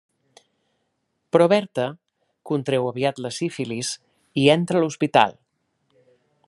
Però Berta contreu aviat la sífilis i entra a l'hospital.